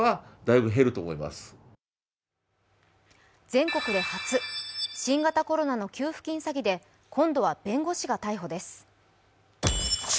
全国で初、新型コロナの給付金詐欺で今度は弁護士が逮捕です。